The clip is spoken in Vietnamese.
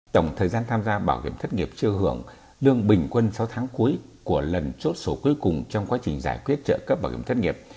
tổng thời gian tham gia bảo hiểm thất nghiệp chưa hưởng lương bình quân sáu tháng cuối của lần chốt số cuối cùng trong quá trình giải quyết trợ cấp bảo hiểm thất nghiệp